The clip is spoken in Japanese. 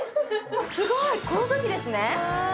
すごい、このときですね。